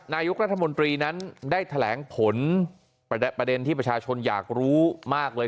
นายกรัฐมนตรีนั้นได้แถลงผลประเด็นที่ประชาชนอยากรู้มากเลย